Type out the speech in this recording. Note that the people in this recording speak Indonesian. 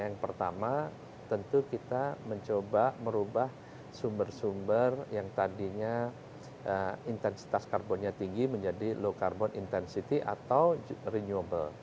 yang pertama tentu kita mencoba merubah sumber sumber yang tadinya intensitas karbonnya tinggi menjadi low carbon intensity atau renewable